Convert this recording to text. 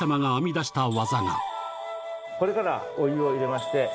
これからお湯を入れまして。